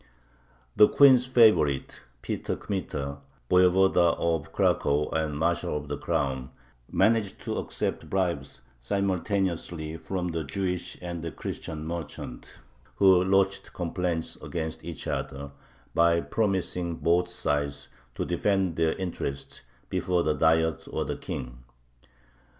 The queen's favorite, Peter Kmita, Voyevoda of Cracow and Marshal of the Crown, managed to accept bribes simultaneously from the Jewish and the Christian merchants, who lodged complaints against each other, by promising both sides to defend their interests before the Diet or the King.